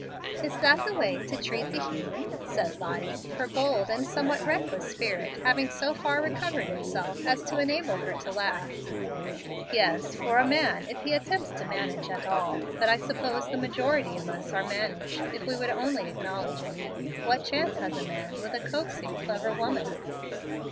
"Is that the way to treat the 'human'?" said Lottie, her bold and somewhat reckless spirit having so far recovered itself as to enable her to laugh. "Yes, for a man, if he attempts to manage at all; but I suppose the majority of us are managed, if we would only acknowledge it. What chance has a man with a coaxing, clever woman?"